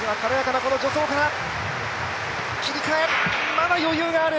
まだ余裕がある。